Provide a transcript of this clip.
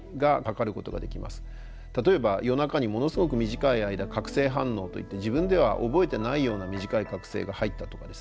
例えば夜中にものすごく短い間覚醒反応といって自分では覚えてないような短い覚醒が入ったとかですね